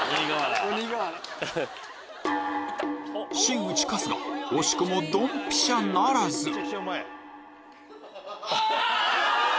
真打ち春日惜しくもドンピシャならずあ！